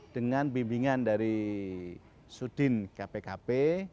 dengan bimbingan dari sudin kpkp